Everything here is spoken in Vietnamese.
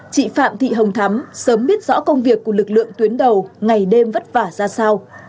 chị phạm thị hồng thắm sớm biết rõ công việc của lực lượng tuyến đầu ngày đêm vất vả ra sao